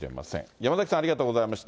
山崎さん、ありがとうございました。